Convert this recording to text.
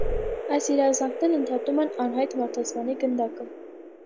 Այս երազանքներն ընդհատում են անհայտ մարդասպանի գնդակը։